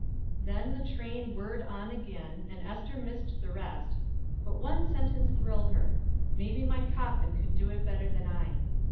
Then the train whirred on again, and Ester missed the rest; but one sentence thrilled her "Maybe my coffin could do it better than I."